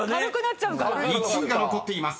１位が残っています。